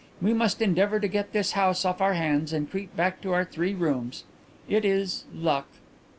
We must endeavour to get this house off our hands and creep back to our three rooms. It is ... luck."